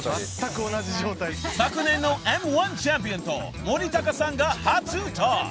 ［昨年のＭ−１チャンピオンと森高さんが初トーク］